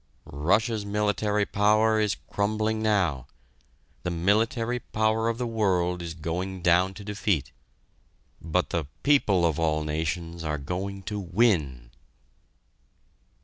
Russia's military power is crumbling now, the military power of the world is going down to defeat, but the people of all nations are going to win!"